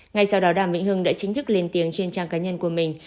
ngay sau đó đàm vĩnh hưng đã chính thức lên tiếng trên trang cá nhân của mình